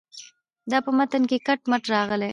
دا په متن کې کټ مټ راغلې.